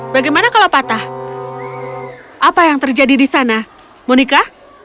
bagaimana kalau patah apa yang terjadi di sana monika